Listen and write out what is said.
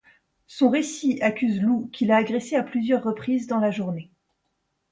Son récit accuse Loup qui l'a agressée à plusieurs reprises dans la journée.